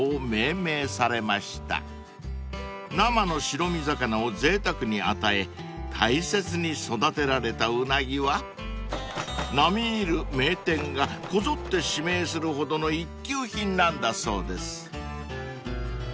［生の白身魚をぜいたくに与え大切に育てられたウナギは並み居る名店がこぞって指名するほどの一級品なんだそうです］